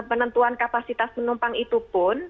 penentuan kapasitas penumpang itu pun